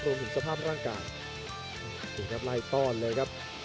รวมถึงสภาพร่างกายไล่ต้อนเลยครับ